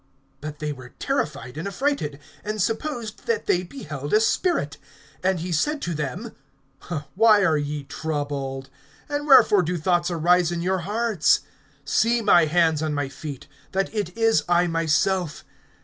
(37)But they were terrified and affrighted, and supposed that they beheld a spirit. (38)And he said to them: Why are ye troubled? And wherefore do thoughts arise in your hearts? (39)See my hands and my feet, that it is I myself.